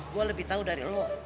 gue lebih tahu dari lo